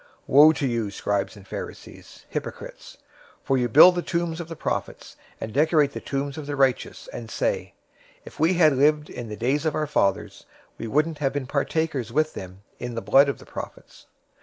023:029 "Woe to you, scribes and Pharisees, hypocrites! For you build the tombs of the prophets, and decorate the tombs of the righteous, 023:030 and say, 'If we had lived in the days of our fathers, we wouldn't have been partakers with them in the blood of the prophets.'